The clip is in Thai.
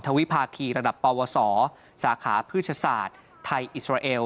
วิภาคีระดับปวสสาขาพืชศาสตร์ไทยอิสราเอล